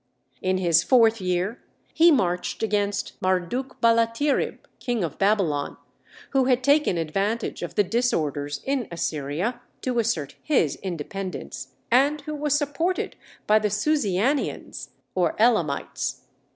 In his fourth year he marched against Mardukbalatirib, king of Babylon, who had taken advantage of the disorders in Assyria to assert his independence, and who was supported by the Susianians or Elamites.